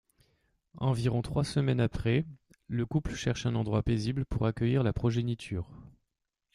Environ trois semaines après, le couple cherche un endroit paisible pour accueillir la progéniture.